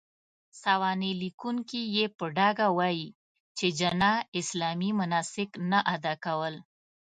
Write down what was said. سوانح ليکونکي يې په ډاګه وايي، چې جناح اسلامي مناسک نه اداء کول.